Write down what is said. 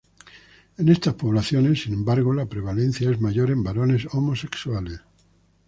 En estas poblaciones, sin embargo, la prevalencia es mayor en varones homosexuales.